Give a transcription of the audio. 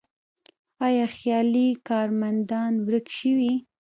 آیا خیالي کارمندان ورک شوي؟